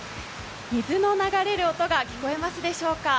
水の流れる音が聞こえますでしょうか。